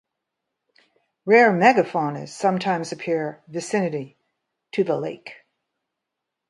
Rare megafaunas sometimes appear vicinity to the lake.